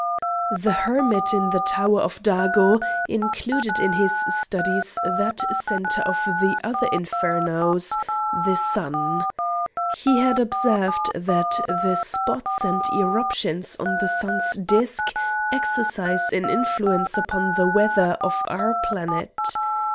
The hermit in the Tower of Dago included in his studies that centre of the other infernos, the sun. He had observed that the spots and eruptions on the sun's disc exercise an influence upon the weather of our planet.